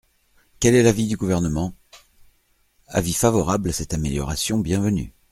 Quel est l’avis du Gouvernement ? Avis favorable à cette amélioration bienvenue.